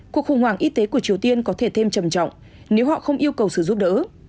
cuộc khủng hoảng y tế của triều tiên có thể thêm trầm trọng nếu họ không yêu cầu sự giúp đỡ